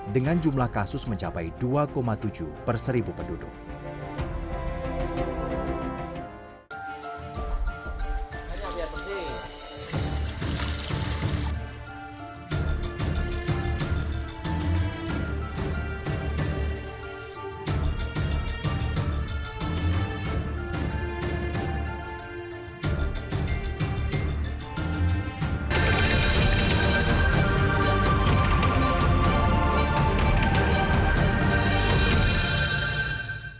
dengan jumlah kasus mencapai dua tujuh per seribu penduduk